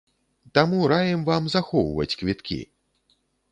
Таму раім вам захоўваць квіткі!